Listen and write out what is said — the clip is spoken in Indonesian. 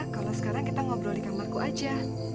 kalau sekarang kita ngobrol di kamarku aja